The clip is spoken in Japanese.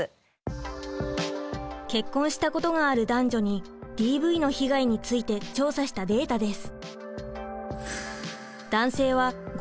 結婚したことがある男女にＤＶの被害について調査したデータです。